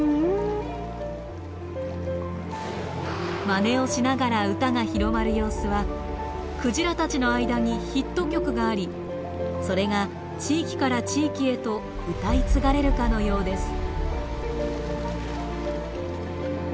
まねをしながら歌が広まる様子はクジラたちの間にヒット曲がありそれが地域から地域へと歌い継がれるかのようです。